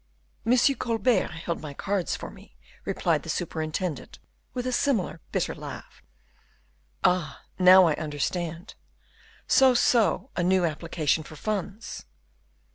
"Monsieur Colbert held my cards for me," replied the superintendent, with a similar bitter laugh. "Ah, now I understand; so, so, a new application for funds?"